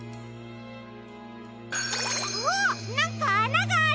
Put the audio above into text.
あっなんかあながある！